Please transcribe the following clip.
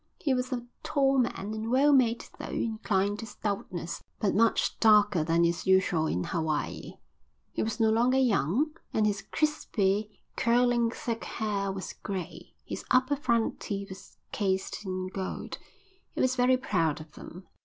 He was a tall man, and well made though inclined to stoutness, but much darker than is usual in Hawaii. He was no longer young, and his crisply curling, thick hair was grey. His upper front teeth were cased in gold. He was very proud of them.